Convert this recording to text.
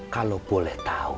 kalau boleh tahu